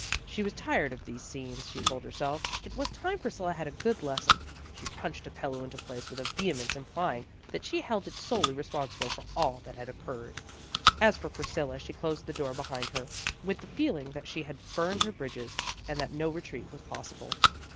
She was tired of these scenes, she told herself. It was time Priscilla had a good lesson. She punched a pillow into place with a vehemence imply ing that she held it solely responsible for all that had occurred. As for Priscilla she closed the door behind her with the feeling that she had burned her bridges, and that no retreat was possible.